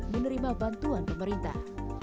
menerima bantuan pemerintah